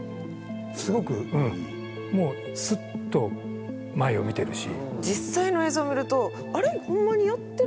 すごくスッと前を見てるし。